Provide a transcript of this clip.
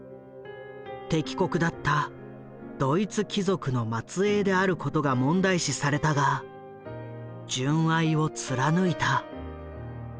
敵国だったドイツ貴族の末えいであることが問題視されたが純愛を貫いた。